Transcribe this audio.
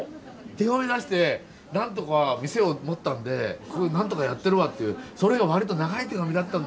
手紙出して「なんとか店を持ったんでなんとかやってるわ」っていうそれがわりと長い手紙だったんだよ。